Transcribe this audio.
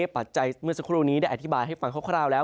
ปัจจัยเมื่อสักครู่นี้ได้อธิบายให้ฟังคร่าวแล้ว